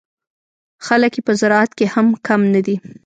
خلک یې په زراعت کې هم کم نه دي.